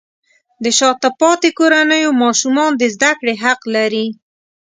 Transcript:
د شاته پاتې کورنیو ماشومان د زده کړې حق لري.